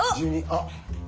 あっ。